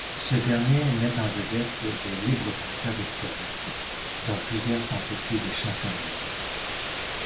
Ce dernier met en vedette des libre-penseurs historiques, dont plusieurs sont aussi des chansonniers.